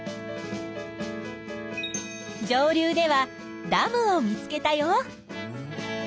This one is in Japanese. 上流ではダムを見つけたよ。